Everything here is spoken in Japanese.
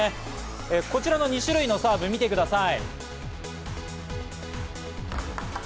こちらの２種類のサーブを見てください。